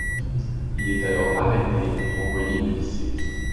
Il est alors arrêté et renvoyé du lycée.